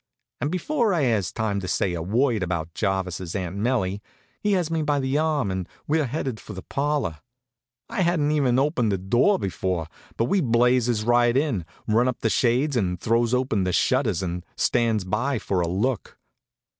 And before I has time to say a word about Jarvis's Aunt 'Melie, he has me by the arm and we're headed for the parlor. I hadn't even opened the door before, but we blazes right in, runs up the shades, throws open the shutters, and stands by for a look.